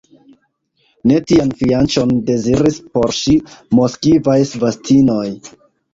Ne tian fianĉon deziris por ŝi moskvaj svatistinoj!